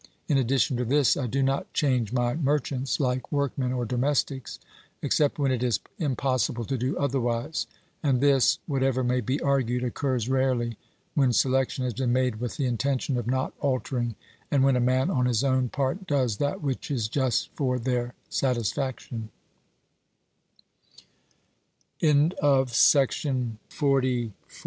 In addition to this, I do not change my merchants, like workmen or domestics, except when it is impossible to do otherwise, and this, whatever may be argued, occurs rarely when selection has been made with the intention of not altering, and when a man on his own part does that which is just for the